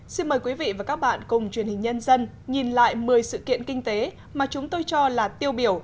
xin mời quý vị và các bạn cùng truyền hình nhân dân nhìn lại một mươi sự kiện kinh tế mà chúng tôi cho là tiêu biểu